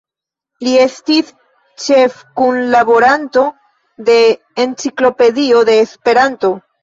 Li estis ĉefkunlaboranto de "Enciklopedio de Esperanto".